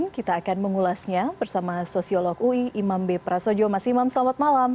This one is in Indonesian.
kita akan mengulasnya bersama sosiolog ui imam b prasojo mas imam selamat malam